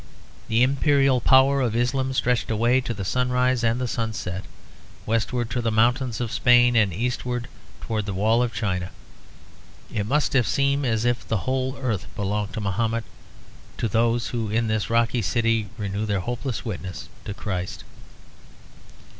The imperial power of Islam stretched away to the sunrise and the sunset; westward to the mountains of Spain and eastward towards the wall of China. It must have seemed as if the whole earth belonged to Mahomet to those who in this rocky city renewed their hopeless witness to Christ.